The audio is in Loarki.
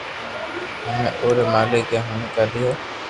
ھمي اپو ري مالڪ اي ھوڻي ڪاڌي ھي